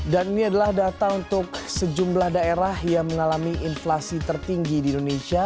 ini adalah data untuk sejumlah daerah yang mengalami inflasi tertinggi di indonesia